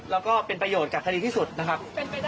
แล้วก็เป็นประโยชน์กับคดีที่สุดนะครับ